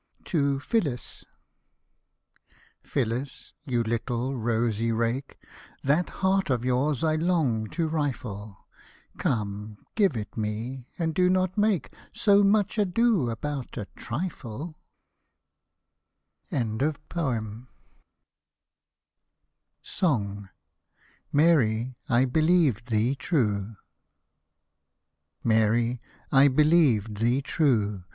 TO PHYLLIS Phyllis, you little rosy rake. That heart of yours I long to rifle : Come, give it me, and do not make So much ado about a trifle / SONG Mary, I beHeved thee true.